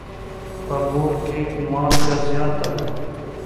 په بوړ کي مالګه زیاته ده.